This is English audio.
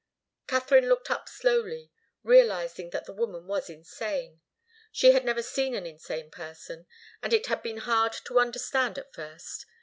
Katharine looked up slowly, realizing that the woman was insane. She had never seen an insane person, and it had been hard to understand at first.